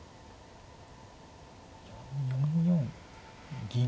４四銀。